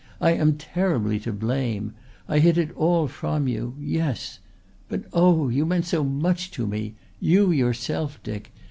I am terribly to blame. I hid it all from you yes. But oh! you meant so much to me you yourself, Dick.